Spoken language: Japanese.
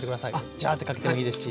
ジャーッてかけてもいいですし。